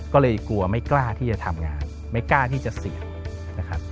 ก็เลยกลัวไม่กล้าที่จะทำงานไม่กล้าที่จะเสี่ยงนะครับ